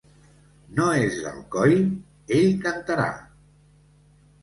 No és d'Alcoi?... Ell cantarà!